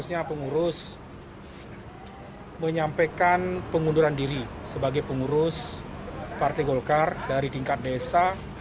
seharusnya pengurus menyampaikan pengunduran diri sebagai pengurus partai golkar dari tingkat desa